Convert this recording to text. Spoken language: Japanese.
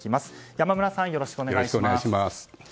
山村さん、よろしくお願いします。